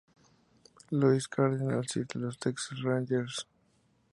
Louis Cardinals y los Texas Rangers.